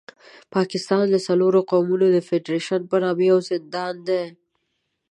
پاکستان د څلورو قومونو د فېډرېشن په نامه یو زندان دی.